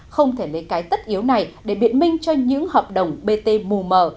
không thể lấy cái tất yếu này để biện minh cho những hợp đồng bt mù mờ